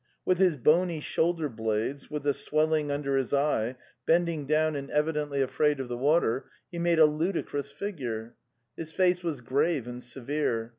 With his bony shoulder blades, with the swelling under his eye, bending down and evidently The Steppe 23 afraid of the water, he made a ludicrous figure. His face was grave and severe.